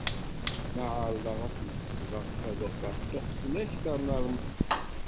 Ma ɛerḍeɣ ad ten-ḥesbeɣ ad afeɣ ṭṭuqqten akter n rrmel.